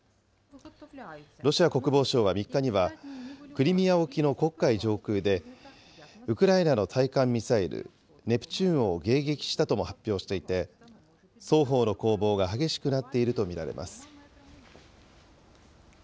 ロシア国防省は３日には、クリミア沖の黒海上空で、ウクライナの対艦ミサイル、ネプチューンを迎撃したとも発表していて、双方の攻防が激しくなっていると見られます。